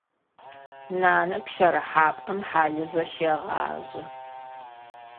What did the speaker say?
Нанэ пщэрыхьапӏэм хьалыжъо щегъажъэ.